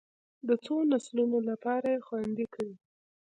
د څو نسلونو لپاره یې خوندي کړي.